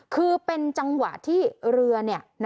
คือเป็นจังหวะที่เรือ